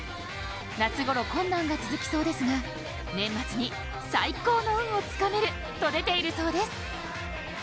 夏頃困難が続きそうですが年末に最高の運をつかめると出ているそうです。